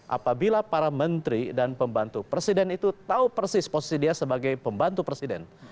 apabila para menteri dan pembantu presiden itu tahu persis posisi dia sebagai pembantu presiden